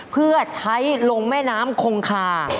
เพื่อใช้ลงแม่น้ำคงคา